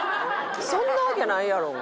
そんなわけないやろ。